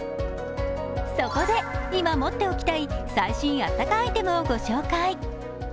そこで今持っておきたい最新あったかアイテムを紹介。